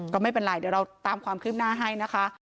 ก็ไม่เป็นไรเดี๋ยวเราตามความคืบหน้าให้นะคะ